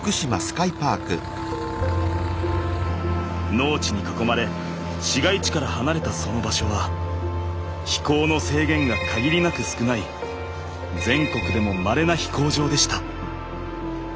農地に囲まれ市街地から離れたその場所は飛行の制限が限りなく少ない全国でもまれな飛行場でした。